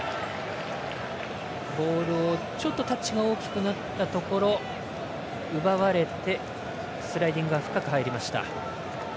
ボールをタッチが大きくなったところ奪われて、スライディングが深く入りました。